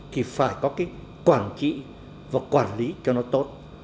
thì phải có cái quản trị và quản lý cho nó tốt